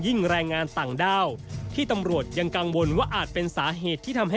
เรื่องบัตรยมพู